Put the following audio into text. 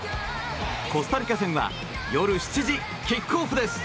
コスタリカ戦は夜７時キックオフです。